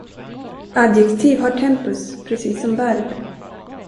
Adjektiv har tempus precis som verb.